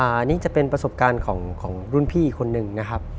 อันนี้จะเป็นประสบการณ์ของรุ่นพี่คนหนึ่งนะครับ